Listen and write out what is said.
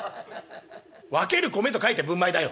分ける米と書いて分米だよ」。